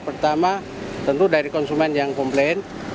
pertama tentu dari konsumen yang komplain